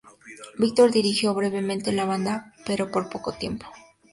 Victor dirigió brevemente la banda, pero por poco tiempo.